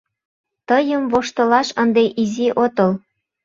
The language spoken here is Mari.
Тыйым воштылаш ынде изи отыл.